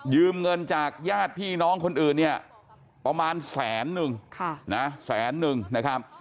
เงินจากญาติพี่น้องคนอื่นเนี่ยประมาณแสนนึงแสนนึงนะครับ